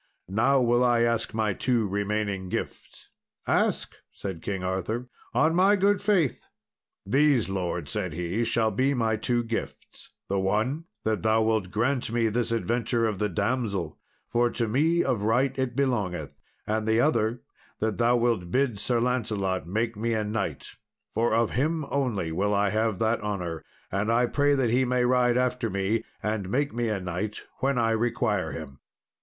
Now will I ask my two remaining gifts." "Ask," said King Arthur, "on my good faith." "These, lord," said he, "shall be my two gifts the one, that thou wilt grant me this adventure of the damsel, for to me of right it belongeth; and the other, that thou wilt bid Sir Lancelot make me a knight, for of him only will I have that honour; and I pray that he may ride after me and make me a knight when I require him."